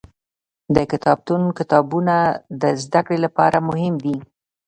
د کتابتون کتابونه د زده کړې لپاره مهم دي.